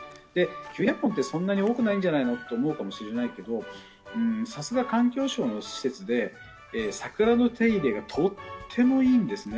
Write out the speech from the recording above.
９００本ってそんなに多くないんじゃないのと思うかもしれないけど、さすが環境省の施設で、桜の手入れがとってもいいんですね。